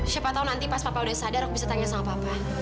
siapa tahu nanti pas papa udah sadar aku bisa tanya sama papa